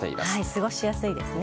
過ごしやすいですね。